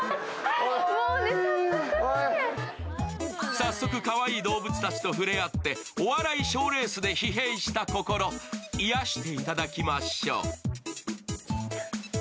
早速かわいいい動物たちと触れ合ってお笑い賞レースで疲弊した心、癒していただきましょう。